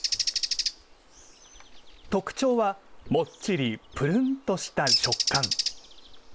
特徴はもっちり、ぷるんとした食感。